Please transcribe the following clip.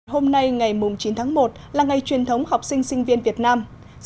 hôm nay ngày chín tháng một là ngày truyền thống học sinh sinh viên việt nam